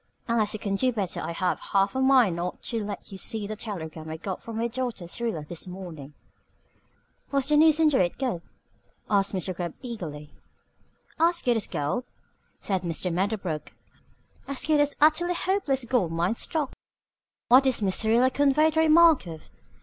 Unless you can do better I have half a mind not to let you see the telegram I got from my daughter Syrilla this morning." "Was the news into it good?" asked Mr. Gubb eagerly. "As good as gold," said Mr. Medderbrook. "As good as Utterly Hopeless Gold Mine stock." "What did Miss Syrilla convey the remark of?"